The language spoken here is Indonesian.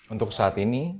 untuk saat ini